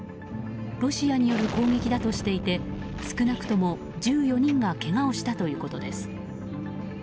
ロシアによる攻撃だとしていて少なくとも１４人がけがをしたということです。